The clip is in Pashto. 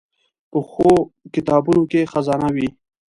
پخو کتابونو کې خزانه وي